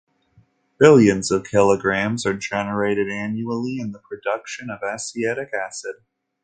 Billions of kilograms are generated annually in the production of acetic acid.